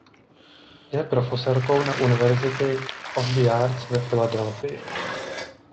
Je profesorkou na University of the Arts ve Filadelfii.